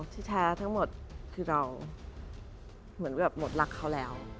ที่แท้ทั้งหมดคือเราเหมือนแบบหมดรักเขาแล้ว